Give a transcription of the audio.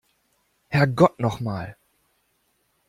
Herrgott noch mal!